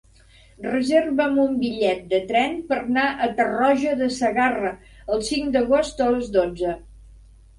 Reserva'm un bitllet de tren per anar a Tarroja de Segarra el cinc d'agost a les dotze.